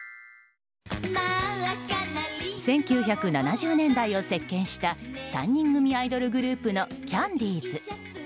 １９７０年代を席巻した３人組アイドルグループのキャンディーズ。